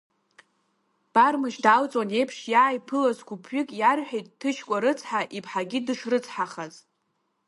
Бармышь даалҵуан еиԥш, иааиԥылаз гәыԥ-ҩык иарҳәеит Ҭышькәа рыцҳа иԥҳагьы дышрыцҳахаз.